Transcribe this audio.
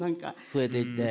増えていって？